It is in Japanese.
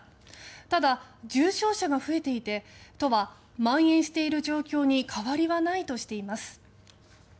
ただ重症者が増えていて都はまん延している状況に変わりはないとしています。